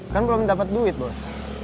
kan belum dapat duit bos